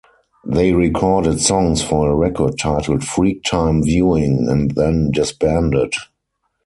They recorded songs for a record titled "Freak Time Viewing" and then disbanded.